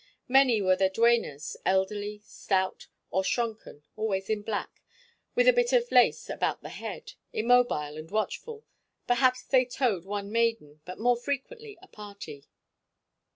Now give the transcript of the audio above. Many were the duennas, elderly, stout, or shrunken, always in black, with a bit of lace about the head, immobile and watchful. Perhaps they towed one maiden, but more frequently a party.